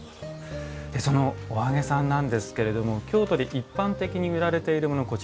そのお揚げさんなんですけれども京都で一般的に売られているもの